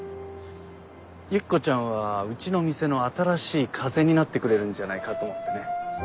ユキコちゃんはうちの店の新しい風になってくれるんじゃないかと思ってね。